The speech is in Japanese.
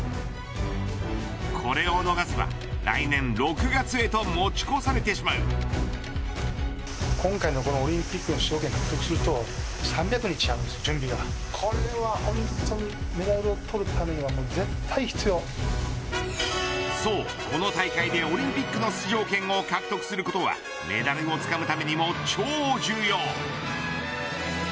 これを逃せば来年６月へと持ち越されてしまうそうこの大会でオリンピックの出場権を獲得することはメダルをつかむためにも超重要。